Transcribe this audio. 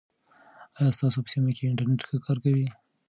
آیا ستاسو په سیمه کې انټرنیټ ښه کار کوي؟